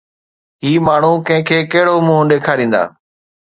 هي ماڻهو ڪنهن کي ڪهڙو منهن ڏيکاريندا؟